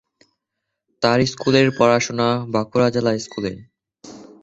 তার স্কুলের পড়াশোনা বাঁকুড়া জেলা স্কুলে।